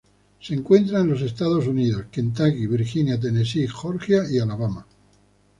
Se encuentra en los Estados Unidos: Kentucky, Virginia, Tennessee, Georgia y Alabama.